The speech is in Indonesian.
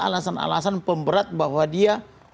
alasan alasan pemberat bahwa dia